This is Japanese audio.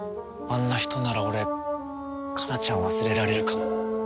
あんな人なら俺加奈ちゃん忘れられるかも。